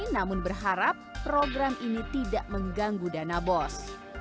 namun berharap program ini tidak mengganggu dana bos